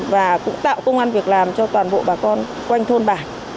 và cũng tạo công an việc làm cho toàn bộ bà con quanh thôn bản